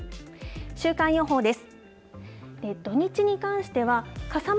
週間予報です。